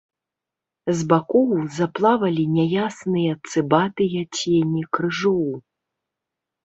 З бакоў заплавалі няясныя цыбатыя цені крыжоў.